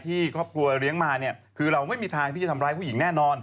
ที่ครอบครัวเลี้ยงมาเนี่ยคือเราไม่มีทางที่จะทำร้ายผู้หญิงแน่นอน